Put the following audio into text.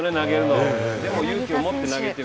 でも勇気を持って投げている。